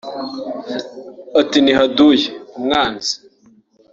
Ati “Ni haduyi [umwanzi]